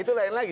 itu lain lagi